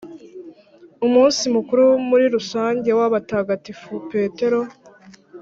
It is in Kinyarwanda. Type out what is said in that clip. umunsi mukuru muri rusange w’abatagatifu petero